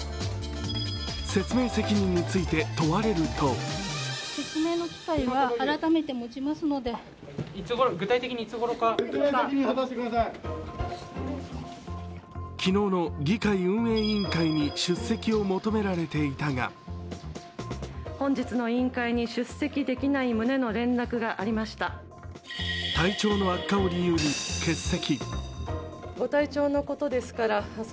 説明責任について問われると昨日の議会運営委員会に出席を求められていたが体調の悪化を理由に欠席。